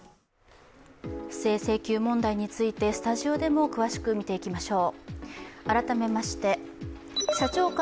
不正請求問題についてスタジオでも詳しく見ていきましょう。